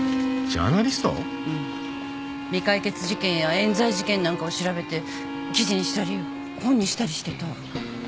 未解決事件や冤罪事件なんかを調べて記事にしたり本にしたりしてた。